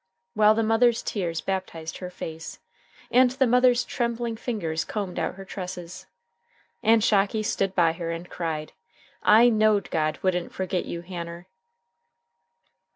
while the mother's tears baptized her face, and the mother's trembling fingers combed out her tresses. And Shocky stood by her and cried: "I knowed God wouldn't forget you, Hanner!"